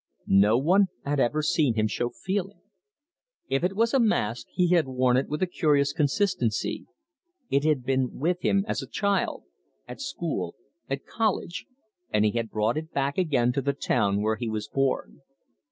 No one had ever seen him show feeling. If it was a mask, he had worn it with a curious consistency: it had been with him as a child, at school, at college, and he had brought it back again to the town where he was born.